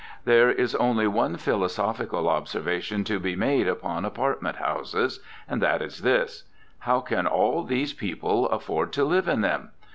There is only one philosophical observation to be made upon apartment houses. And that is this: How can all these people afford to live in them?